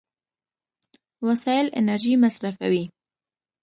وسایل انرژي مصرفوي.